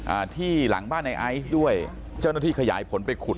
อ่าที่หลังบ้านในไอซ์ด้วยเจ้าหน้าที่ขยายผลไปขุด